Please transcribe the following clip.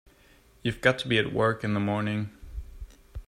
You've got to be at work in the morning.